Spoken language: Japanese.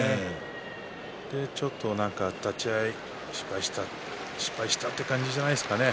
ちょっと立ち合い失敗したという感じじゃないですかね。